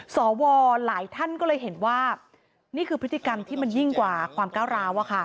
หลายท่านก็เลยเห็นว่านี่คือพฤติกรรมที่มันยิ่งกว่าความก้าวร้าว